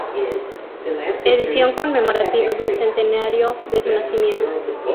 Edición conmemorativa del centenario de su nacimiento.